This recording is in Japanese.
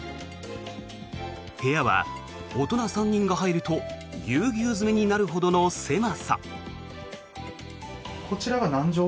部屋は大人３人が入るとぎゅうぎゅう詰めになるほどの狭さ。